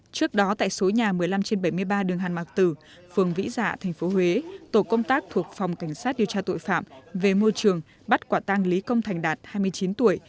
trước đó tại số nhà một mươi năm trên bảy mươi ba đường hàn mạc tử phường vĩ dạ tp huế tổ công tác thuộc phòng cảnh sát điều tra tội phạm về môi trường bắt quả tang lý công thành đạt hai mươi chín tuổi